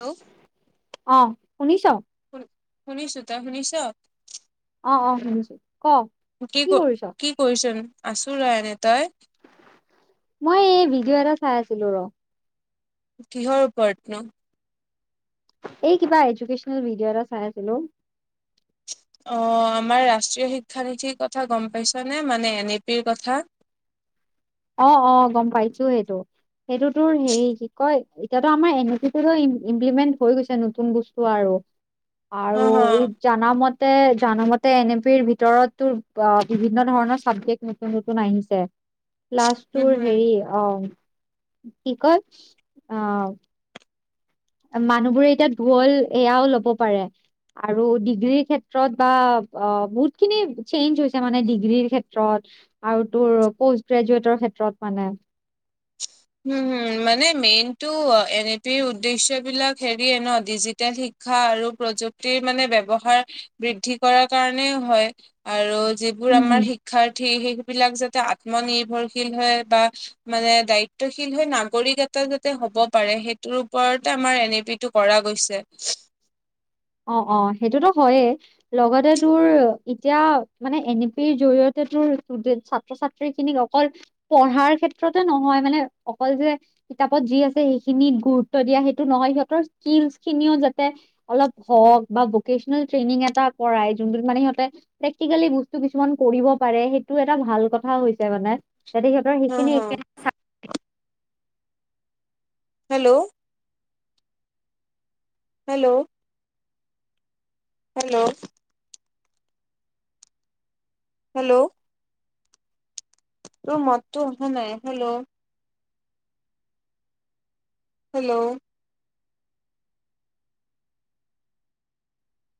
Hello অঁহ', -শুনিছ? শু-শুনিছো। তই শুনিছ? অঁ-অঁ', - শুনিছো। ক? কি' ক' কি' কৰিচ ন? আছো ৰ' এনেই। তই? মই এই ভিডিঅ' এটা চাই আছিলো ৰ'। কিহৰ ওপৰত নো? এই কিবা এডুকেশ্যনেল ভিডিঅ' এটা চাই আছিল। অ' আমাৰ ৰাষ্ট্ৰীয় শিক্ষানীতিৰ কথা গম পাইছ নে? মানে এন এ পিৰ কথা। অঁ-অঁ, গম পাইছো সেইটো। সেইটো তোৰ হেৰি কি কয়- এতিয়াতো আমাৰ এন এ পিৰতোৰ ইমপ্লিমেন্ট হৈ গৈছে নতুন বস্তু আৰু। হ আৰু হ এই- জানাৰ মতে জান মতে এন এম পিৰ ভিতৰত তোৰ অ' বিভিন্ন ধৰণৰ চাবজেক্ট- নতুন-নতুন আহিছে। প্লাষ্ট উম তোৰ হম হেৰি অহ', - কি কয়, অহ', -। মানুহবোৰে এতিয়া গ'ল এয়াও ল'ব পাৰে। আৰু ডিগ্ৰীৰ ক্ষেত্ৰত বা অঁ' বহুতখিনি চেঞ্জ হৈছে মানে ডিগ্ৰীৰ ক্ষেত্ৰত আৰু তোৰ পষ্ট গ্ৰেজুৱেটৰ ক্ষেত্ৰত মানে। উম, হুম মানে মেইনটো এন এ পিৰ উদ্দেশ্য বিলাক হেৰিয়ে ন' ডিজি শিক্ষা আৰু প্ৰযুক্তিৰ মানে ব্যৱহাৰ বৃদ্ধি কৰাৰ কাৰণেও হয় আৰু যি বোৰ হম আমাৰ হম শিক্ষাৰ্থী সেইবিলাক যাতে আত্মনিৰ্ভৰশীল হয় বা মানে দায়িত্ব শীল হৈ নাগৰিক এটা যাতে হ'ব পাৰে সেইটোৰ ওপৰতে আমাৰ এন এ পি টো কৰা গৈছে। অঁ অঁ' সেইটোতো হয়য়েই। লগতে তোৰ এতিয়া মানে এন এ পিৰ জৰিয়তে তোৰ টোটেল ছাত্ৰ-ছাত্ৰী খিনিক অকল পঢ়াৰ ক্ষেত্ৰতে নহয় মানে অকল যে কিতাপত যি আছে সেইখিনিত গুৰুত্ব দিয়া সেইটো নহয়, সিহঁতৰ স্কিলচ খিনিও যাতে অলপ হওক বা ভকেচনেল ট্ৰেইনিং এটা কৰাই যোনটোত মানে সিহঁতে প্ৰেক্টিকেলি বস্তু কিছুমান কৰিব পাৰে সেইটো এটা ভাল কথা হৈছে মানে। তাতে সিহঁতৰ হা, সেইখিন হা, হেল্লো'। হেল্লো'। হেল্লো'। হেল্লো'। তোৰ মততো অহা নাই, হেল্লো'। হেল্লো'।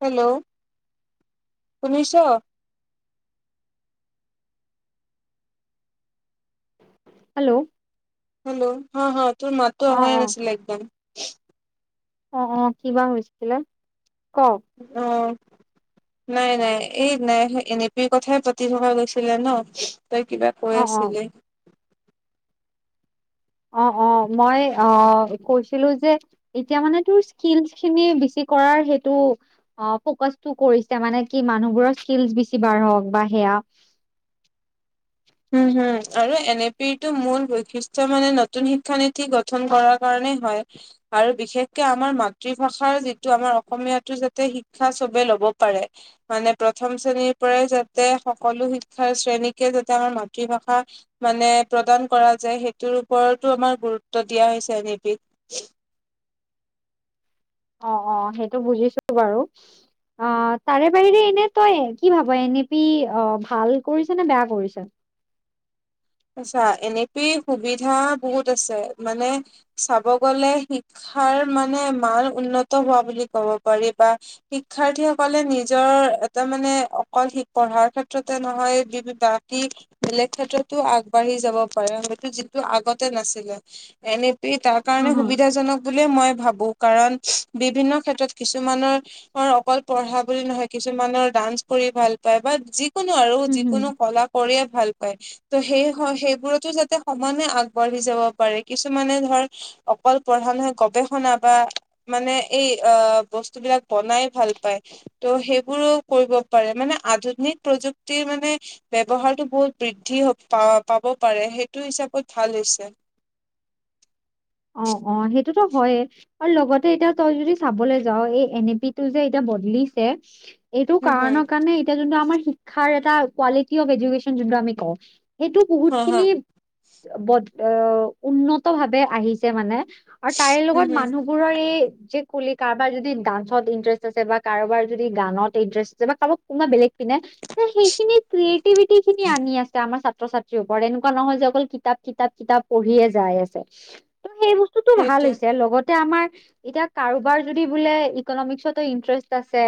হেল্লো' শুনিছ? হেল্লো'। হেল্লো' হা হা, তোৰ মততো অ', অহাই নাছিলে একদম। অঁ অঁ' কিবা হৈছিলে, কওক? অঁ। নাই নাই, এই নাই এন এ পিৰ কথাই পাতি থকা গৈছিলে ন' তই কিবা কৈ অ', অ'। আছিলি। অঁ অঁ' মই অঁ' কৈছিলো যে এতিয়া মানে তোৰ স্কিলছ খিনি বেছি কৰাৰ সেইটো অঁ' ফকাচটো কৰিছে মানে কি মানুহবোৰৰ স্কিলচ বেছি বাঢ়িক বা সেয়া উমঁ' হুম আৰু এন এ পিটো মূল বৈশিষ্টয় মানে নতুন শিক্ষানীতি গঠন কৰাৰ কাৰণেই হয়। আৰু বিশেষকে আমাৰ মাতৃভাষাৰ যিটো আমাৰ অসমীয়াতো যাতে শিক্ষা চবে ল'ব পাৰে। মানে প্ৰথম শ্ৰেণীৰ পৰাই যাতে সকলো শিক্ষাৰ শ্ৰেণীকে যাতে আমাৰ মাতৃভাষা মানে প্ৰদান কৰা যায়। সেইটোৰ ওপৰতো আমাৰ গুৰুত্ব দিয়া হৈছে এনে পি। অঁ অঁ' সেইটো বুজিছো বাৰু। অঁ' তাৰে বাহিৰে এনে তই কি ভাব এনে পি অঁ' ভাল কৰিছে নে বেয়া কৰিছে? আচ্ছা' এনেকেই সুবিধা বহুত আছে মানে চাব গ'লে শি ক্ষাৰ মানে মান উন্নত হোৱা বুলি ক'ব পাৰি বা শিক্ষাৰ্থীসকলে নিজৰ এটা মানে অকল শিক পঢ়াৰ ক্ষেত্ৰতে নহয় বি বাকী বেলেগ ক্ষেত্ৰত টো আগবাঢ়ি যাব পাৰে সেইটো যিটো আগতে নাছিলে। এনেতেই তাত অ কাৰণে হ সুবিধাজনক বুলিয়ে মই ভাবো। কাৰণ বিভিন্ন ক্ষেত্ৰত কিছুমানৰ অকল পঢ়া বুলি নহয় কিছুমানৰ ডান্স কৰি ভাল পায় বা যি কোনো আৰু হুম হুম যিকোনো কলা কৰিয়ে ভাল পায়। ত' সেই সেইবোৰতো যাতে সমানে আগবাঢ়ি যাব পাৰে। কিছুমানে ধৰ অকল পঢ়া নহয় গৱেষণা বা মানে এই আহ' বস্তু বিলাক বনাই ভাল পায়। ত' সেইবোৰো কৰিব পাৰে মানে আধুনিক প্ৰযুক্তিৰ মানে ব্যৱহাৰটো বহুত বৃদ্ধি পা-পাব পাৰে সেইটো হিচাপত ভাল হৈছে। অঁ অঁ' সেইটোতো হয়য়ে। আৰু লগতে এতিয়া তই যদি চাবলৈ যাও এই এন এ পি টো যে এতিয়া বদলিছে এইটো হম হম কাৰণৰ কাৰণে এতিয়া যোনটো আমাৰ শিক্ষাৰ এটা কোৱালিটি অফ এডুকেশ্যন যোনটো আমি কওঁ সেইটো বহুত হা হা খিনি বদ অ উন্নত ভাৱে আহিছে মানে। আৰু তাইৰ হম লগত হম মানুহবোৰৰ এই যে বুলি কাৰোবাৰ যদি ডান্সত ইন্টাৰেষ্ট আছে বা কাৰোবাৰ যদি গানত ইন্টাৰেষ্ট আছে বাোব কোনোবা বেলেগ পিনে সেইখিনি ক্ৰিয়েটিভিটি খিনি আনি আছে আমাৰ ছাত্ৰ ছাত্ৰী এনেকুৱা নহয় যে অকল কিতাপ কিতাপ কিতাপ পঢ়িয়ে যাই আছে, ত সেইবোৰ টো ভাল সেইটোৱে হৈছে, লগতে আমাৰ এতিয়া কাৰোবাৰ যদি বোলে ইকনমিক্সতো ইন্টাৰেষ্ট আছে।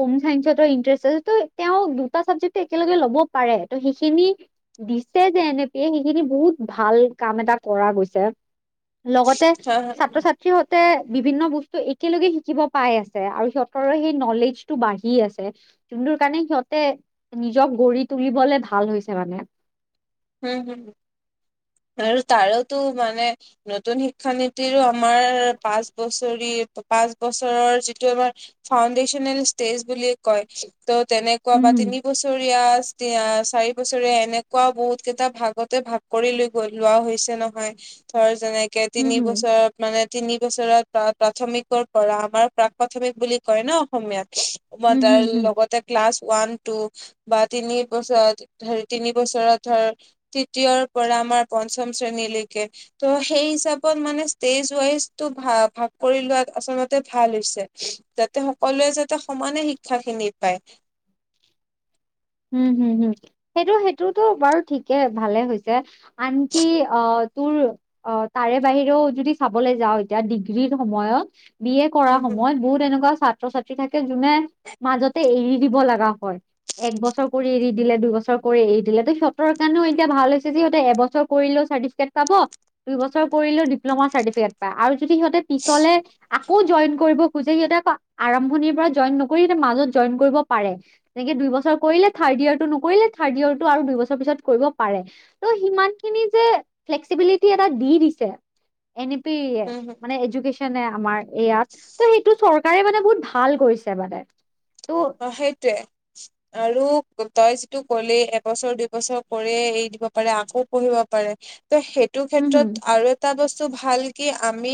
হোম চাইন্সত ইন্টাৰেষ্ট আছে ত' তেওঁ দুটা চাবজেক্ট একেলগে ল'ব পাৰে। ত সেইখিনি দিছে যে এনেকেই সেইখিনি বহুত ভাল কাম এটা কৰা গৈছে। লগতে হা হা ছাত্ৰ ছা ত্ৰী সিহঁতে বিভিন্ন বস্তু একেলগে শিকিব পাই আছে আৰু সিহঁতৰ সেই নলেজটো বাঢ়ি আছে। যোনটোৰ কাৰণে সিহঁতে নিজক গঢ়ি তুলিবলে ভাল হৈছে মানে। হম হম আৰু তাৰোতো মানে নতুন শিক্ষানীতিৰো আমাৰ পাঁচ বছৰি পাঁচ বছৰৰ যিটো আমাৰ ফাউণ্ডেশচনেল ষ্টেজ বুলিয়ে কয়, ত তেনে কুৱা উম বা হুম, তিন বছৰীয়া চাৰি বছৰীয়া এনেকুৱাও বহুত কেইটা ভাগতে ভাগ কৰি লৈ গৈ লোৱা হৈছে নহয়, ধৰ যেনেকে হুম তিনি হুম, বছৰ মানে তিনি বছৰত প্ৰাথমিকৰ পৰা আমাৰ প্ৰাক প্ৰাথমিক বুলি কয় ন অসমীয়াত। মই হুম তাইৰ হুম হুম। লগতে ক্লাছ ওৱান টু বা তিনি বছৰত হেৰি তিনি বছৰত ধৰ তৃতীয়ৰ পৰা আমাৰ পঞ্চম শ্ৰেণীলৈকে ত' সেই হিচাপত মানে ষ্টেজ ৱাইজটো ভা ভাগ কৰি লোৱাত আচলতে ভাল হৈছে। যাতে সকলোৱে যাতে সমানে শিক্ষা খিনি পায়। উম হুম হুম সেইটো সেইটোতো বাৰু ঠিকে ভালে হৈছে। আনকি অঁ তোৰ অঁ তাৰে বাহিৰেও যদি চাবলৈ যাওঁ এতিয়া ডিগ্ৰীৰ সময়ত বি এ কৰাৰ উম, হুম। সময়ত বহুত এনেকুৱা ছা ছাত্ৰ ছাত্ৰী থাকে, যোনে মাজতে এৰি দিব লগা হয়। একব ছৰ কৰি এৰি দিলে, দুইবছৰ কৰি এৰি দিলে, তো সিহঁতৰ কাৰণেও এতিয়া ভাল হৈছে যে সিহঁতে এবছৰ কৰিলেও চাৰ্টিফিকেট পাব, দুই বছৰ কৰিলেও ডিপ্ল'মাৰ চাৰ্টিফিকে পায়, আৰু যদি সিহঁতে পিছলে আ কৌ জইন কৰিব খোজে সিহঁতেক আৰম্ভণিৰ পৰা জইন নকৰিতে মাজত জইন কৰিব পাৰে। তেনেকে দুই বছৰ কৰিলে থাৰ্ড ইয়েৰটো নকৰিলে, থাৰ্ড ইয়েৰটো আৰু দুইবছৰ পিছত কৰিব পাৰে। ত' সিমান খিনি যে ফ্লেক্সিবিলিটি এটা দি দিছে। এনে পি উম, হুম, মানে এডুকেশ্ব নে আমাৰ ইয়াত ত সেইটো চৰকাৰে মানে বহুত ভাল কৰিছে মানে, ত' অঁ, সেইটোৱে। আৰু তই যিটো ক'লে এবছৰ দুই বছৰ কৰি এৰি দিব পাৰে আকৌ পঢ়িব পাৰে। ত' সেইটো হম হম ক্ষেত্ৰত আৰু এটা বস্তু ভাল কি আমি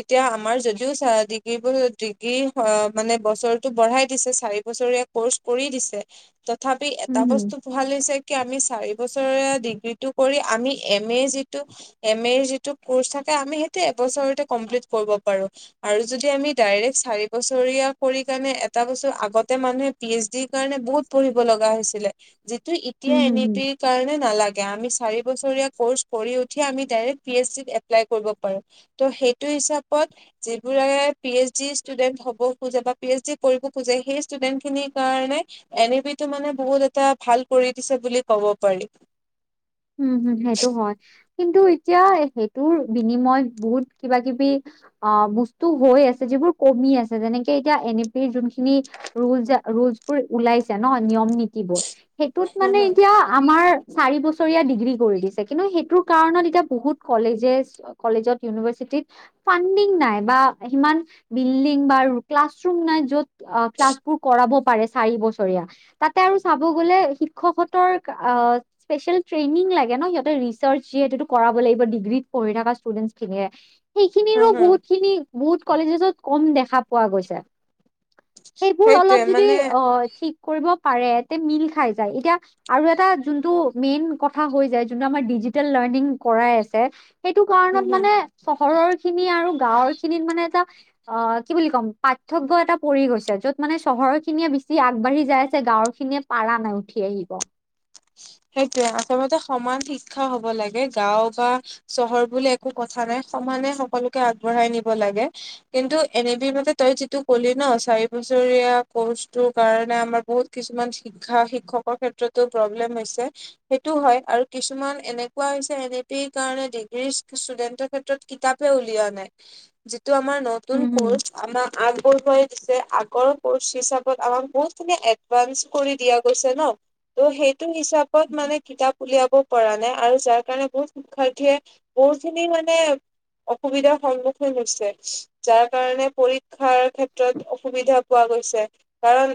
এতিয়া আমাৰ যদিও চ ডিগ্ৰী বোৰ ডিগ্ৰী অ মানে বছৰটো বঢ়াই দিছে, চাৰি বছৰীয়া কৰ্চ কৰি দিছে। তথাপি হম এটা হম বস্তু ভাল হৈছে কি আমি চাৰি বছৰে ডিগ্ৰীটো কৰি আমি এম এ যিটো এম এৰ যিটো কৰ্চ থাকে আমি সেইটো এবছৰতে কমপ্লিট কৰিব পাৰো। আৰু যদি আমি ডাইৰেক্ট চাৰি বছৰীয়া কৰি কেনে তাৰ পিছত আগতে মানুহে পি এইচ ডিৰ কাৰণে বহুত পঢ়িব লগা হৈছিলে। যি টো এতিয়া হম হম হম এনেতে সেই কাৰণে নালাগে, আমি চাৰি বছৰীয়া কৰ্চ কৰি উঠি আমি ডাইৰেক্ট পি এইচ ডিত এপ্লাই কৰিব পাৰো। ত সেইটো হিচাপত যিবোৰে পি এইচ ডি ষ্টুডেন্ট হ'ব খোজে বা পি এইচ ডি কৰিব খোজে সেই ষ্টুডেন্ট খিনিৰ কাৰণে এন এ বি তো মানে বহুত এটা ভাল কৰি দিছে বুলি ক'ব পাৰি। উম হম সেইটো হয়। কিন্তু এতিয়া সেইটোৰ বিনিময় বহুত কিবা কিবি অ বস্তু হৈ আছে যিবোৰ কমি আছে, যেনেকে এতিয়া এন এ পিৰ যোনখিনি খিনি ৰুল ৰুলচবোৰ ওলাইছে ন নিয়ম নীতি বোৰ সেইটোত হম মানে হম এতিয়া আমাৰ চাৰি বছৰ ডিগ্ৰী কৰি দিছে, কিন্তু সেইটোৰ কাৰণত এতিয়া বহুত কলেজেছ কলেজত ইউনিভাৰ্চিটিত ফাডিং নাই বা সিমান বিল্ডিং বা ক্লাছ ৰুম নাই য'ত ক্লাছবোৰ কৰাব পাৰে চাৰি বছৰীয়া। তাতে আৰু চাব গ'লে শিক্ষকহতৰ স্পেচিয়েল ট্ৰেইনিং লাগে ন সিহঁতে ৰিচাৰ্চ যেহেতু সেইটো কৰাব লাগিব ডিগ্ৰীত পঢ়ি থকা ষ্টুডেন্ট খিনিয়ে হম সেইখিনিৰো হম বহুত খিনি বহুত কলেজেত কম দেখা পোৱা গৈছে। সেইবোৰ সেইটোৱে অলপ যদি মানে অ ঠিক কৰিব পাৰে তে মিল খাই যায়। এতিয়া আৰু এটা যোনটো মেইন কথা হৈ যায় যোনটো আমাৰ ডিজিটেল লাৰ্নিং কৰাই আছে সেইটো হম কাৰণত হম মানে চহৰৰ খিনি আৰু গাঁৱৰ খিনিত মানে এটা অ কি বুলি ক'ম পাৰ্থক্য এটা পৰি গৈছে, যত মানে চহৰ খিনিয়ে বেছি আগবাঢ়ি যাই আছে গাঁৱৰ খিনিয়ে পাৰা নাই উঠি আহিব। সেইটোয়ে আচলতে সমান শিক্ষা হ'ব লাগে গাঁও বা চহৰ বুলি একো কথা নাই সমানে সকলোকে আগবঢ়াই নিব লাগে। কিন্তু এনেবি মাতে তই যিটো ক'লি ন চাৰি বছৰীয়া কৰ্চটো কাৰণে আমাৰ বহুত কিছুমান শিক্ষা শিক্ষকৰ ক্ষেত্ৰতো প্ৰব্লেম হৈছে সেইটো হয় আৰু কিছুমান এনেকুৱা হৈছে এন এ পি কাৰণে ডিগ্ৰীৰ ষ্টুডেন্টৰ কিতাপে উলিওৱা নাই যিটো আমাৰ উম, নতুন হুম, কোৰ্চ আমাৰ আগবঢ়োৱা আগৰ কোৰ্চ হিচাপত আমাক বহুত খিনি এডভান্স কৰি দিয়া গৈছে ন ত' সেইটো হিচাপত মানে কিতাপ উলিয়াব পৰা নাই আৰু যাৰ কাৰণে বহুত শিক্ষাৰ্থীয়ে বহুত খিনি মানে অসুবিধাৰ সন্মুখীন হৈছে। যাৰ কাৰণে পৰীক্ষাৰ ক্ষেত্ৰত অসুবিধা পোৱা গৈছে, কাৰণ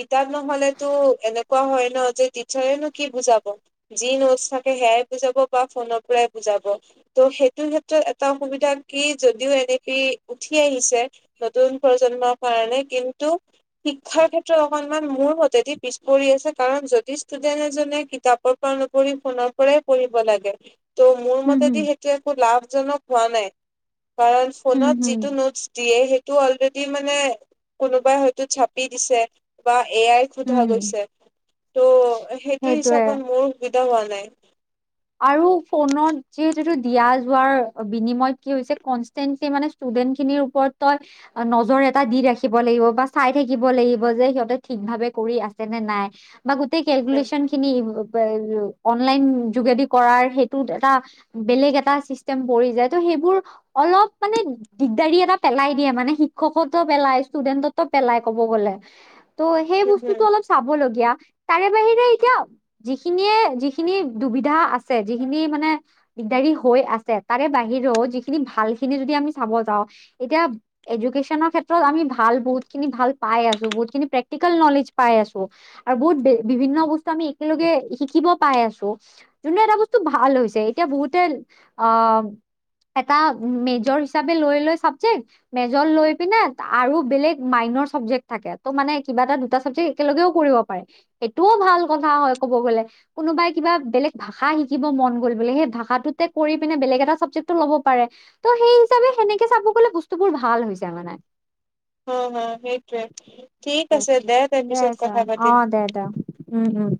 কিতাপ নহলেতো এনেকুৱা হয় ন যে টিচাৰ্ছৰে নো কি বুজাব। যি নোট থাকে সেয়াই বুজাব বা ফোনৰ পৰাই বুজাব। ত সেইটো ক্ষেত্ৰত এটা অসুবিধা কি যদিও এনেকি উঠি উঠি আহিছে নতুন প্ৰজন্মৰ কাৰণে কিন্তু শিক্ষাৰ ক্ষেত্ৰত অকনমান মোৰ মতেদি পিছ পৰি আছে কাৰণ যদি ষ্টুডেন্ট এজনে কিতাপৰ পৰা নপঢ়ি ফোনৰ পৰাই পঢ়িব লাগে ত' মোৰ হুম, মতেই হুম, দি সেইটো একো লাভজনক হোৱা নাই। কাৰণ হুম, ফোনত হুম, যিটো নোটছ দিয়ে সেই টো অলৰেডি মানে কোনোবাই হয়তো চাপি দিছে বা এ আই হুম, সোধা হুম, গৈছে ত' সেইটো সেইটোৱে। হিচাপত মোৰ সুবিধা হোৱা নাই। আৰু ফোনত যিহেতুটো দিয়া যোৱাৰ বিনিময়ত কি হৈছে কনষ্টেনলি মানে ষ্টুডেন্ট খিনিৰ ওপৰত তই নজৰ এটা দি ৰাখিব লাগিব বা চাই থাকিব লাগিব যে সিহঁতে ঠিক ভাবে কৰি আছে নে নাই। বা গোটেই হুম কেলকুলেছন খিনি অনলাইন যোগেদি কৰাৰ সেইটোত এটা বেলেগ এটা চিষ্টেম পৰি যায় ত সেইবোৰ অলপ মানে- দিগদাৰি এটা পেলাই দিয়ে মানে শিক্ষকতো পেলাই ষ্টুডেণ্টতো পেলাই কব গ'লে। ত' সেই হুম বস্তুতটো হুম অলপ- চাবলগীয়া তাৰে বাহিৰে এতিয়া যিখিনিয়ে যিখিনি দুুবিধা আছে- যিখিনি মানে- দিগদাৰি হৈ আছে তাৰে বাহিৰেও যিখিনি ভাল খিনি যদি আমি চাব যাওঁ এতিয়া- এডুকেশ্যনৰ ক্ষেত্ৰত আমি ভাল বহুতখিনি ভাল পাই আছো বহুতখিনি প্ৰেক্টিকেল নলেজ পাই আছো। আৰু বহুত বে বিভিন্ন বস্তু আমি একেলগে শিকিব পাই আছো। যোনটো এটা বস্তু ভাল হৈছে এতিয়া বহুতে, অ- এটা মেজৰ হিচাপে লৈ লয় চাবজেক্ট। মেজৰ লৈ পিনে আৰু বেলেগ মাইনৰ চাবজেক্ট থাকে ত' মানে কিবা এটা দুটা চাবজেক্ট- একেলগেও কৰিব পাৰে, সেইটোও ভাল কথা হয় ক'ব গলে কোনোবাই কিবা বেলেগ- ভাষা শিকিব মন গ'ল বোলে সেই ভাষাটোতে কৰি পিনে বেলেগ এটা চাবজেক্টটো ল'ব পাৰে। ত' সেই হিচাপে সেনেকে চাব গলে বস্তুবোৰ ভাল হৈছে মানে। হুম হুম সেইটোৱে, ঠিক আছে দে তই পিছত কথা পাতিম। দেটাও। উম হম।